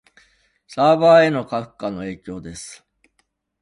サーバへの過負荷の影響です